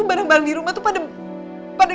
barang barang di rumah tuh pada